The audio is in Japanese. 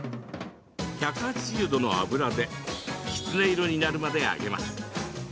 １８０度の油できつね色になるまで揚げます。